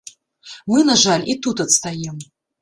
Мы, на жаль, і тут адстаем.